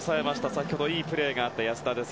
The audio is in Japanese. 先ほどいいプレーがあった安田です。